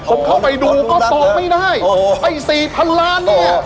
ผมเข้าไปดูก็ตอบไม่ได้ไอ้สี่พันล้านเนี่ย